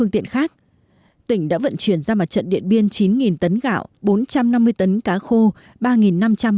tỉnh đã vận chuyển ra mặt trận điện biên chín tấn gạo bốn trăm năm mươi tấn cá khô ba năm trăm linh bò ba năm trăm linh xe đạp thù